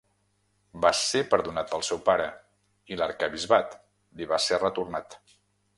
Va ser perdonat pel seu pare, i l'arquebisbat li va ser retornat.